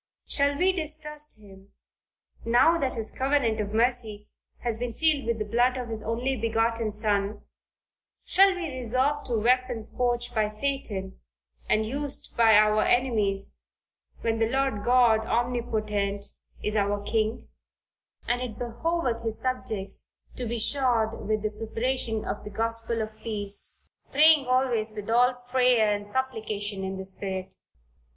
Shall we distrust him now that his covenant of mercy has been sealed with the blood of his only begotten son shall we resort to weapons forged by Satan, and used by our enemies, when the Lord God omnipotent is our king, and it behoveth his subjects to be "shod with the preparation of the gospel of peace, praying always with all prayer, and supplication in the Spirit."